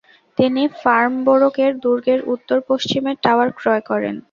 তিনি ফর্মবোরকের দুর্গের উত্তর পশ্চিমের টাওয়ার ক্রয় করেন।